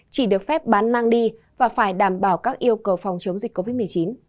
chỉ được phép bán mang đi và phải đảm bảo các yêu cầu phòng chống dịch covid một mươi chín